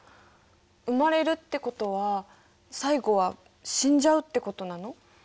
生まれるってことは最後は死んじゃうってことなの？